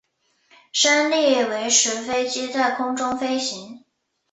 升力维持飞机在空中飞行。